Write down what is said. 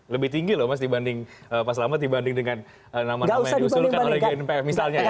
lebih tinggi loh mas dibanding pak selamet dibanding dengan nama nama yang diusulkan oleh gnpf misalnya ya